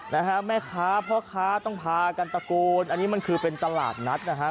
นะฮะแม่ค้าพ่อค้าต้องพากันตะโกนอันนี้มันคือเป็นตลาดนัดนะฮะ